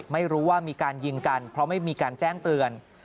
ไม่รู้ว่ามีการยิงกันเพราะไม่มีการแจ้งเตือน